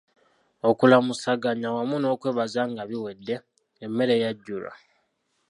Okulamusaganya wamu n'okwebaza nga biwedde, emmere yajjulwa.